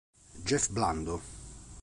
Jeff Blando